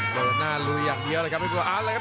เริ่มหน้ารุยอย่างเยอะเลยครับเผ็ดบุรภาพ